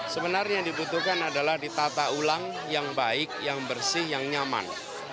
sebenarnya yang dibutuhkan adalah ditata ulang yang baik yang bersih yang nyaman